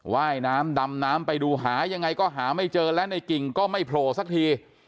ว่ายน้ำดำน้ำไปดูหายังไงก็หาไม่เจอและในกิ่งก็ไม่โผล่สักที